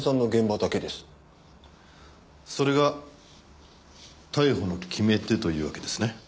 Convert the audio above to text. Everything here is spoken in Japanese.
それが逮捕の決め手というわけですね？